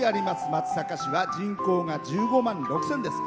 松阪市は人口が１５万６０００です。